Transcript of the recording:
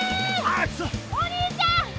お兄ちゃん。